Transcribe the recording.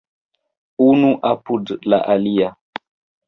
Unu apud la alia.